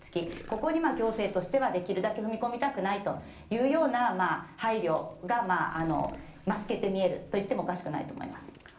ここに行政としては、できるだけ踏み込みたくないというような配慮が透けて見えるといってもおかしくないと思います。